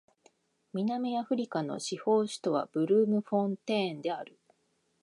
南アフリカの司法首都はブルームフォンテーンである